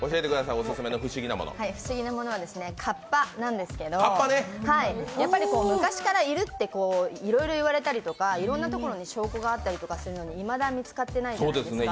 不思議なものはかっぱなんですけど、昔からいるっていろいろ言われたりとか、いろんなところに証拠があったりするのにいまだに見つかってないじゃないですか。